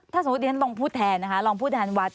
ถ้าสมมุติที่ท่านลองพูดแทนนะคะลองพูดแทนวัฒน์